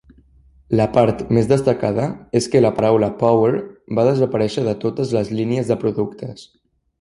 La part més destacada és que la paraula "Power" va desaparèixer de totes les línies de productes.